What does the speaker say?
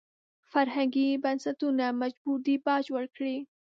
فرهنګي بنسټونه مجبور دي باج ورکړي.